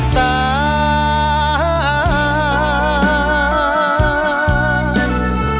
ตาม